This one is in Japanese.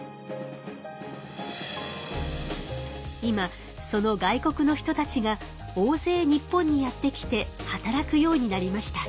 今その外国の人たちが大ぜい日本にやって来て働くようになりました。